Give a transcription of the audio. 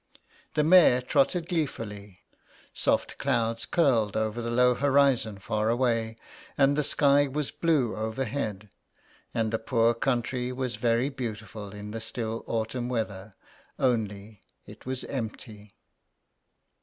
The mare trotted gleefully ; soft clouds curled over the low horizon far away, and the sky was blue over head; and the poor country was very beautiful in the still autumn weather, only it was empty.